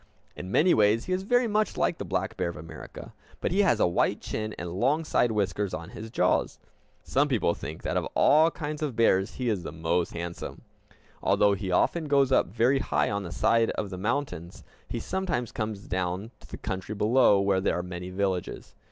In many ways he is very much like the black bear of America, but he has a white chin and long side whiskers on his jaws. Some people think that of all kinds of bears he is the most handsome. Although he often goes up very high on the side of the mountains, he sometimes comes down to the country below, where there are many villages.